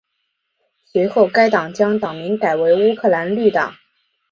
随后该党将党名改为乌克兰绿党。